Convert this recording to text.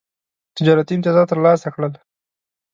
تجارتي امتیازات ترلاسه کړل.